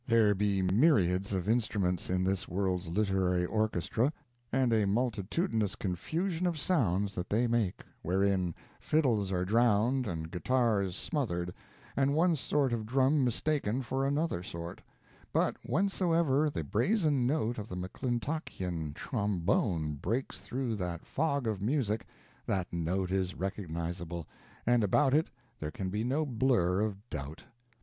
There be myriads of instruments in this world's literary orchestra, and a multitudinous confusion of sounds that they make, wherein fiddles are drowned, and guitars smothered, and one sort of drum mistaken for another sort; but whensoever the brazen note of the McClintockian trombone breaks through that fog of music, that note is recognizable, and about it there can be no blur of doubt.